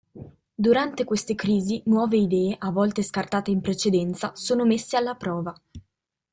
Durante queste crisi nuove idee, a volte scartate in precedenza, sono messe alla prova.